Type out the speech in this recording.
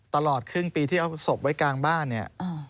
ตลอดครึ่งปีที่เอาศพไว้กลางบ้านเนี่ย